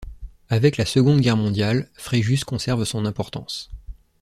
Avec la Seconde Guerre mondiale, Fréjus conserve son importance.